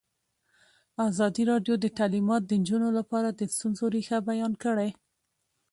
ازادي راډیو د تعلیمات د نجونو لپاره د ستونزو رېښه بیان کړې.